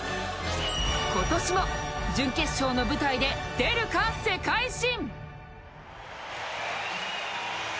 今年も準決勝の舞台で出るか、世界新。